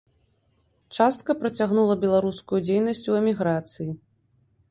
Частка працягнула беларускую дзейнасць у эміграцыі.